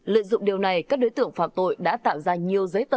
lợi dụng điều này các đối tượng phạm tội đã tạo ra nhiều giấy tờ